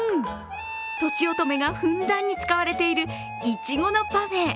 とちおとめがふんだんに使われている苺のパフェ。